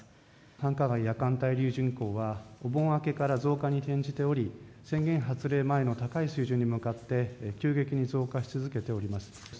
繁華街夜間滞留人口は、お盆明けから増加に転じており、宣言発令前の高い水準に向かって、急激に増加し続けております。